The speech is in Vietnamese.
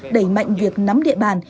đẩy mạnh việc nắm địa bàn